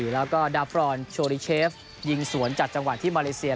แล้วก็ดาฟรอนโชลิเชฟยิงสวนจากจังหวะที่มาเลเซีย